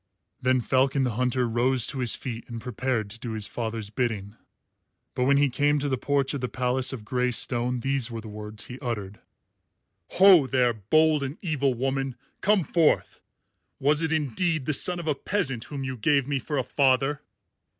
Then Falcon the Hunter rose to his feet and prepared to do his father's bidding. But when he came to the porch of the palace of grey stone these were the words he uttered: "Ho, there, bold and evil woman! Come forth! Was it indeed the son of a peasant whom you gave me for a father?"